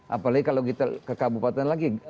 apalagi kalau kita ke kabupaten lagi